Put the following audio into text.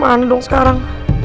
mana dong sekarang